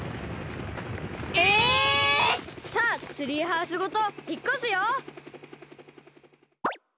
さあツリーハウスごとひっこすよ！